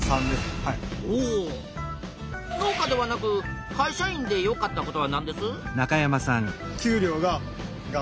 農家ではなく会社員でよかったことはなんです？